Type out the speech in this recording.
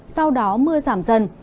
sau đó mưa giảm dần